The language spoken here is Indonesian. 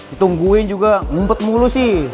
itu gue juga ngumpet mulu sih